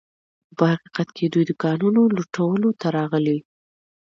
خو په حقیقت کې دوی د کانونو لوټولو ته راغلي